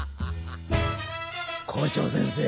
校長先生